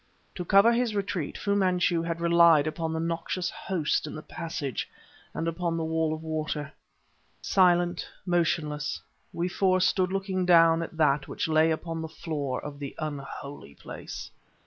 To cover his retreat, Fu Manchu had relied upon the noxious host in the passage and upon the wall of water. Silent, motionless, we four stood looking down at that which lay upon the floor of the unholy place.